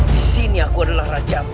disini aku adalah rajamu